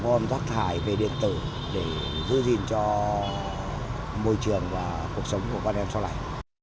gom rác thải về điện tử để giữ gìn cho môi trường và cuộc sống của con em sau này